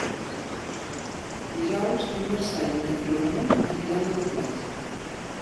Dijous en Marcel i na Fiona aniran a la platja.